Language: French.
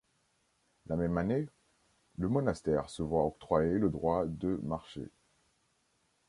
La même année, le monastère se voit octroyer le droit de marché.